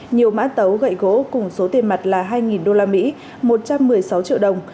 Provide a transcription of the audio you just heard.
nhiều mã tấu gậy gỗ cùng số tiền mặt là hai usd một trăm một mươi sáu triệu đồng